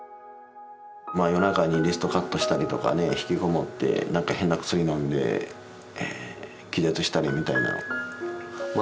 まあ夜中にリストカットしたりとかね引きこもって何か変な薬飲んで気絶したりみたいなのまあ